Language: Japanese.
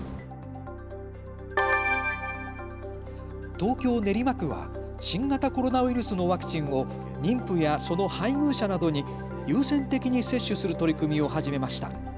東京練馬区は新型コロナウイルスのワクチンを妊婦やその配偶者などに優先的に接種する取り組みを始めました。